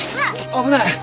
危ない！